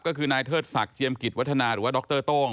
ก็คือนายเทิดศักดิ์เจียมกิจวัฒนาหรือว่าดรโต้ง